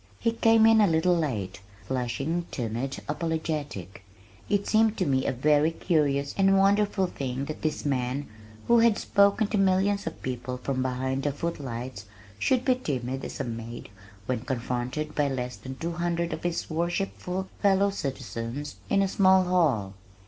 He came in a little late, flushing, timid, apologetic! It seemed to me a very curious and wonderful thing that this man who had spoken to millions of people from behind the footlights should be timid as a maid when confronted by less than two hundred of his worshipful fellow citizens in a small hall.